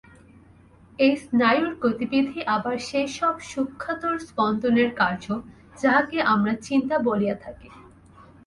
এই স্নায়ুর গতিবিধি আবার সেই-সব সূক্ষ্মতর স্পন্দনের কার্য, যাহাকে আমরা চিন্তা বলিয়া থাকি।